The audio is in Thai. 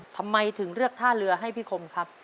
ทำไมถึงเลือกท่าเรือให้พี่คมครับ